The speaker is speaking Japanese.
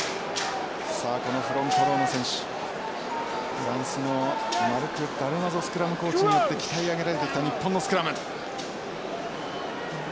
フランスのマルクダルマゾスクラムコーチによって鍛え上げられてきた日本のスクラム。